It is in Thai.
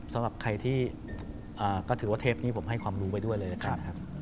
สำหรับใครที่ก็ถือว่าเทปนี้ผมให้ความรู้ไปด้วยเลยละกันนะครับ